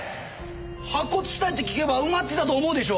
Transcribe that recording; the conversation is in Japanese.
白骨死体って聞けば埋まってたと思うでしょ？